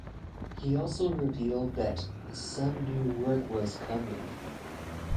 He also revealed that "some new work was coming".